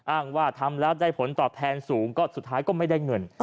อ้างว่าทำแล้วได้ผลตอบแทนสูงก็สุดท้ายก็ไม่ได้เงิน